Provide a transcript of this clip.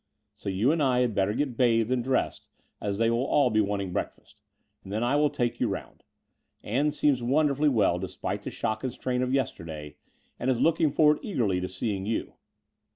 So you and I had better get bathed and dressed, as they will all be wanting breakfast: and then I will take you round. Ann seems wonderfully well, despite the shock and strain of yesterday, and is looking forward eagerly to seeing you."